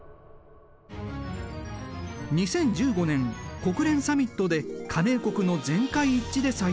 ２０１５年国連サミットで加盟国の全会一致で採択された。